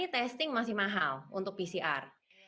testing masih mahal untuk pcr